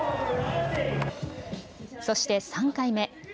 そして３回目。